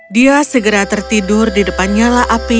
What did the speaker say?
dia segera tertidur di depan nyala api